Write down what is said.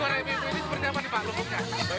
suara ini seperti apa nih pak